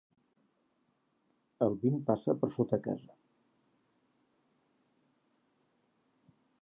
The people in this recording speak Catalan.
El vint passa per sota casa.